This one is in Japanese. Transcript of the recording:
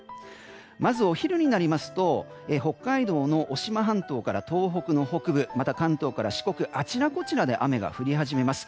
まずお昼になりますと北海道の渡島半島から東北の北部また、関東から四国あちらこちらで雨が降り始めます。